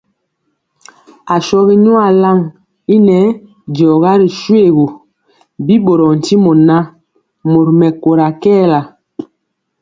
Ashɔgi nyuan lan i nɛɛ diɔga ri shoégu, bi ɓorɔɔ ntimɔ ŋan, mori mɛkóra kɛɛla.